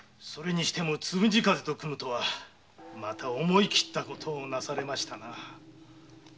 それにしても「つむじ風」と組むとは思い切ったことをなされましたな。